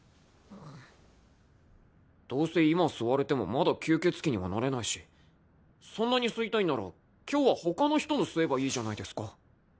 どうせ今吸われてもまだ吸血鬼にはなれないしそんなに吸いたいんなら今日は他の人の吸えばいいじゃないですか。